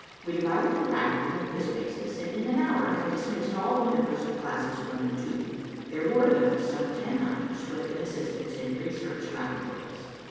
We divided them rapidly on this basis, and in an hour had dismissed all the members of classes one and two. There were left some ten others who had been assistants in research laboratories.